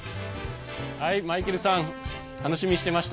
マイケルさん楽しみにしていました。